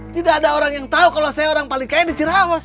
tidak ada orang yang tahu kalau saya orang paling kaya di cirawas